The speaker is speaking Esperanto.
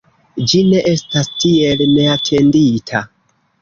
Ĝi ne estas tiel neatendita.